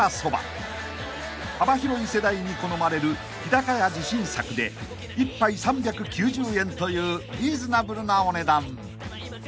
［幅広い世代に好まれる日高屋自信作で１杯３９０円というリーズナブルなお値段］